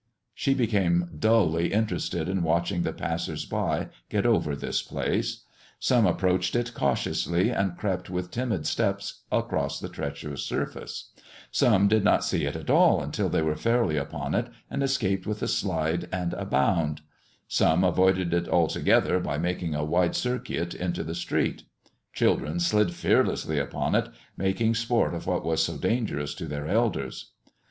She became dully interested in watching the passers by get over this place. Some approached it cautiously and crept with timid steps across the treacherous surface; some did not see it at all until they were fairly upon it, and escaped with a slide and a bound; some avoided it altogether by making a wide circuit into the street; children slid fearlessly upon it, making sport of what was so dangerous to their elders.